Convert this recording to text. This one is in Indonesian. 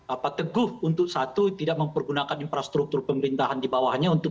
apa teguh untuk satu tidak mempergunakan infrastruktur pemerintahan di bawahnya untuk